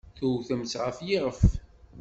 Tewtem-tt ɣer yiɣef.